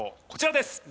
こちらです。